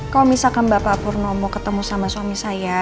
kalau misalkan bapak pernomo mau ketemu sama suami saya